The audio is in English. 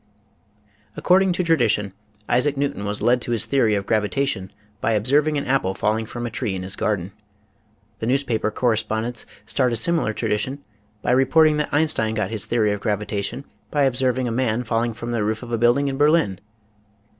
According to tradition, Isaac Newton was led to his theory of gravitation by observing an apple falling from a tree in his garden. The newspaper corre spondents start a similar tradition by reporting that Einstein got his theory of gravitation by observing a man falling from the roof of a building in Berlin.